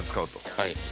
はい。